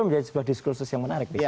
menjadi sebuah diskursus yang menarik